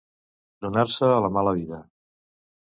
Donar-se a la mala vida.